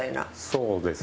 そうですね。